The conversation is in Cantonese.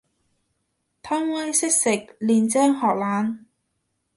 貪威識食，練精學懶